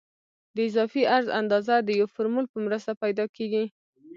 د اضافي عرض اندازه د یو فورمول په مرسته پیدا کیږي